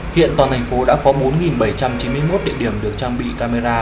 hiện toàn thành phố đã có bốn bảy trăm chín mươi một địa điểm được trang bị camera